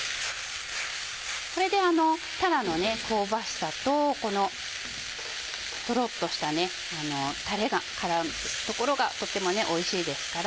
これでたらの香ばしさとこのトロっとしたタレが絡むところがとてもおいしいですから。